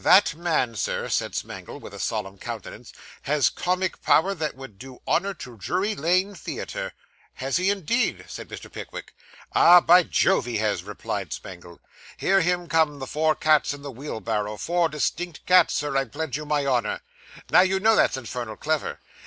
That man, Sir,' said Smangle, with a solemn countenance, 'has comic powers that would do honour to Drury Lane Theatre.' 'Has he indeed?' said Mr. Pickwick. 'Ah, by Jove he has!' replied Smangle. 'Hear him come the four cats in the wheel barrow four distinct cats, sir, I pledge you my honour. Now you know that's infernal clever!